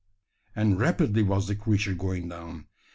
And rapidly was the creature going down.